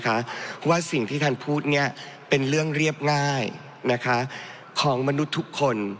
เพราะว่าสิ่งที่ท่านพูดเนี่ยเป็นเรื่องเรียบง่ายนะคะของมนุษย์ทุกคน